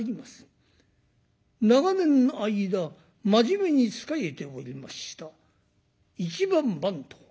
長年の間真面目に仕えておりました一番番頭